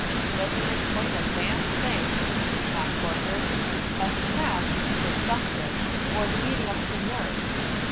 "Doesn't explain a damn thing!" snapped Horker. "A synapse is a juncture, or the meeting of two nerves.